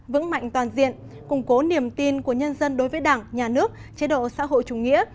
vững mạnh toàn diện củng cố niềm tin của nhân dân đối với đảng nhà nước chế độ xã hội chủ nghĩa